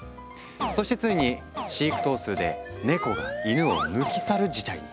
そしてついに飼育頭数でネコがイヌを抜き去る事態に。